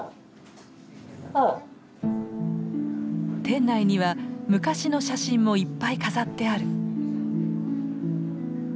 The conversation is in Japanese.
店内には昔の写真もいっぱい飾ってある。